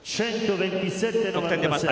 得点出ました。